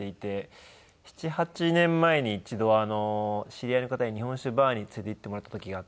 ７８年前に一度知り合いの方に日本酒バーに連れて行ってもらった時があって。